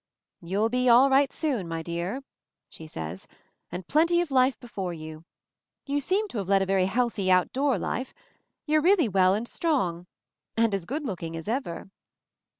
"You'll be all right soon, my dear," she says, "and plenty of life before you. You seem to have led a very healthy out door life. You're really well and strong — and as good looking as ever."